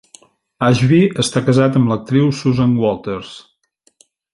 Ashby està casat amb l'actriu Susan Walters.